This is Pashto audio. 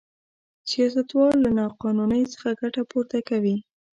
سیاستوال له نا قانونۍ څخه ګټه پورته کوي.